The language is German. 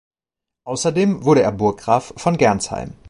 Außerdem wurde er Burggraf von Gernsheim.